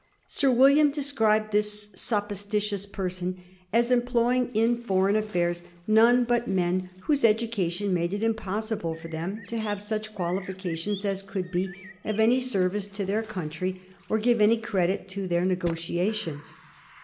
Sir William described this suppositi tious personage as employing in foreign affairs none but men whose education made it impossible for them to have such qualifications as could be of any service to their country or give any credit to their negotiations.